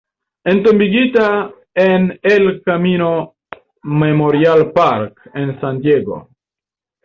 Entombigita en "El Camino Memorial Park" en San Diego.